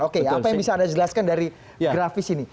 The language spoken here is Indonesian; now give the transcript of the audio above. oke apa yang bisa anda jelaskan dari grafis ini